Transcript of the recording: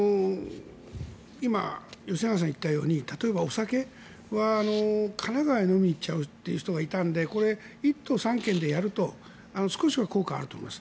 今吉永さんが言ったように例えばお酒は神奈川へ飲みに行っちゃうという人がいたのでこれ、１都３県でやると少しは効果あると思います。